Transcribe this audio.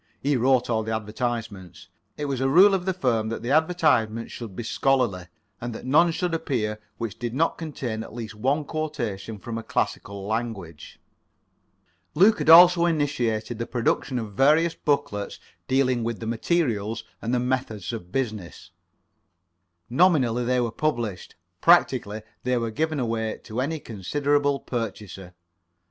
He wrote all the advertisements. It was a rule of the firm that the advertisements should be [Pg 13]scholarly, and that none should appear which did not contain at least one quotation from a classical language. Luke had also initiated the production of various booklets dealing with the materials and the methods of business. Nominally they were published; practically they were given away to any considerable purchaser.